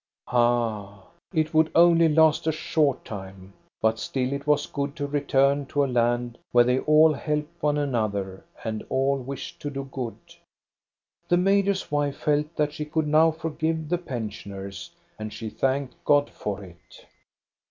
Ah, it would only last a short time ! But still it 458 THE STORY OF GOSTA BERLING was good to return to a land where they all helped one another and all wished to do good. The major's wife felt that she could now forgive the pensioners, and she thanked God for it.